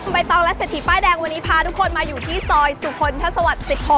ใบตองและเศรษฐีป้ายแดงวันนี้พาทุกคนมาอยู่ที่ซอยสุคลทัศวรรค์๑๖